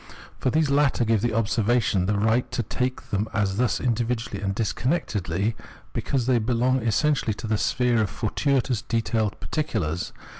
For these latter give observation the right to take them thus individually and disconnectedly (begrifflos) , because they belong essentially to the sphere of fortuitous detailed particu lars.